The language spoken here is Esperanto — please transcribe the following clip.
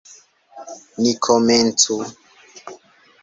Ni komencu!